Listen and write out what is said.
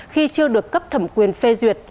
khi chưa được cấp thẩm quyền phê duyệt